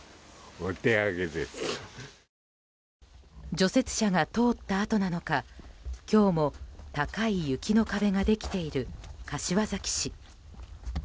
除雪車が通ったあとなのか今日も高い雪の壁ができている柏崎市。